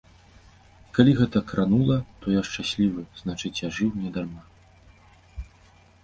І, калі гэта кранула, то я шчаслівы, значыць я жыў не дарма.